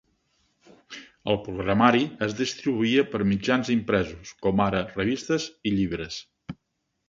El programari es distribuïa per mitjans impresos, com ara revistes i llibres.